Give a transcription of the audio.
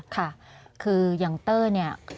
ค่ะคืออย่างเต้ยเนี่ย